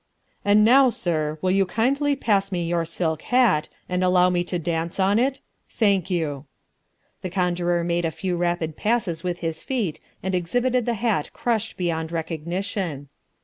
"And now, sir, will you kindly pass me your silk hat and allow me to dance on it? Thank you." The conjurer made a few rapid passes with his feet and exhibited the hat crushed beyond recognition.